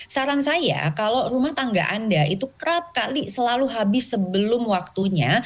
saran saya kalau rumah tangga anda itu kerap kali selalu habis sebelum waktunya